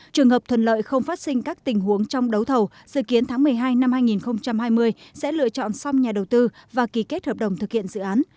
trường hợp thuận lợi không phát sinh các tình huống trong đấu thầu dự kiến tháng một mươi hai năm hai nghìn hai mươi sẽ lựa chọn xong nhà đầu tư và ký kết hợp đồng thực hiện dự án